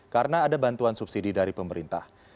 karena ada bantuan subsidi dari pemerintah